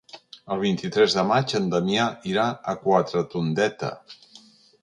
El vint-i-tres de maig en Damià irà a Quatretondeta.